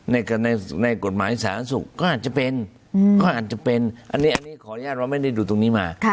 ในกฎหมายสารสุขก็อาจจะเป็นอันนี้ขออนุญาตเราไม่ได้ดูตรงนี้มา